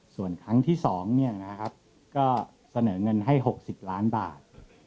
ส่วนครั้งที่๒เนี่ยนะครับก็เสนอเงินให้๖๐ล้านบาท